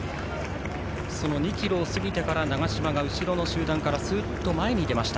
２ｋｍを過ぎてから長嶋が後ろの集団からすっと前に出ました。